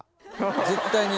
絶対に。